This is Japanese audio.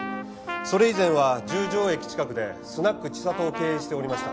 それ以前は十条駅近くでスナックちさとを経営しておりました。